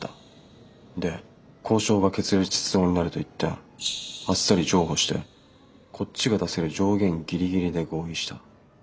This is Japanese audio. で交渉が決裂しそうになると一転あっさり譲歩してこっちが出せる上限ギリギリで合意した。